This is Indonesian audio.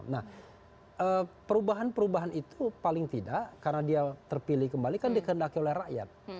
nah perubahan perubahan itu paling tidak karena dia terpilih kembali kan dikendaki oleh rakyat